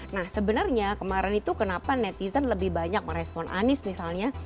nah sebenarnya kemarin itu kenapa netizen lebih banyak merespon anies misalnya